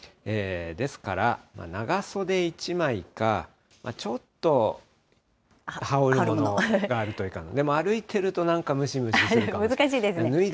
ですから、長袖１枚か、ちょっと羽織るものがあるといいかな、でも歩いてると、なんかムシムシするかもしれない。